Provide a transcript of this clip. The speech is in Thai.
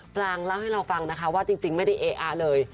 ปรางเล่าให้เราฟังนะคะว่าจริงไม่ได้เออะเลย